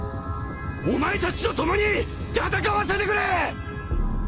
お前たちと共に戦わせてくれ！